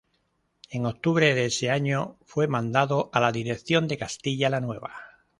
En octubre de ese año fue mandado a la dirección de Castilla la Nueva.